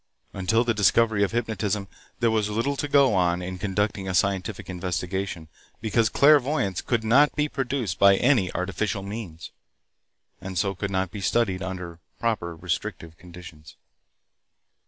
Until the discovery of hypnotism there was little to go on in conducting a scientific investigation, because clairvoyance could not be produced by any artificial means, and so could not be studied under proper restrictive conditions.